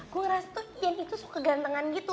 gue ngerasa tuh iyan itu sok kegantengan gitu